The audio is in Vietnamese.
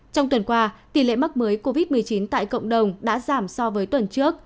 trong tuần qua tỷ lệ mắc mới covid một mươi chín tại cộng đồng đã giảm so với tuần trước